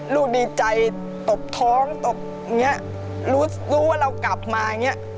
ลูกดีใจตบท้องรู้ว่าเรากลับมา